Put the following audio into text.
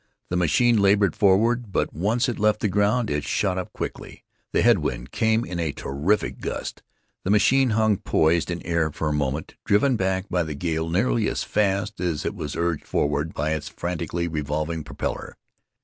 The machine labored forward, but once it left the ground it shot up quickly. The head wind came in a terrific gust. The machine hung poised in air for a moment, driven back by the gale nearly as fast as it was urged forward by its frantically revolving propeller.